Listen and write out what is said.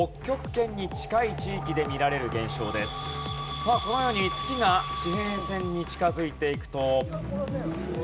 さあこのように月が地平線に近づいていくと。